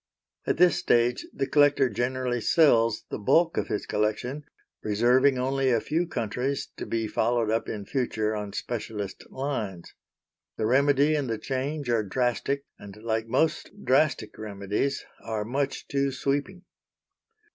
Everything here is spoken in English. At this stage the collector generally sells the bulk of his collection, reserving only a few countries to be followed up in future on specialist lines. The remedy and the change are drastic, and, like most drastic remedies, are much too sweeping.